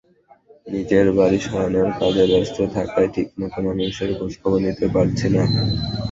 নিজের বাড়ি সরানোর কাজে ব্যস্ত থাকায় ঠিকমতো মানুষের খোঁজখবর নিতে পারছি না।